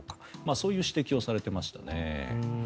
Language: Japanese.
そういう指摘をされていましたね。